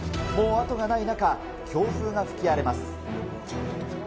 もう後がない中、強風が吹き荒れます。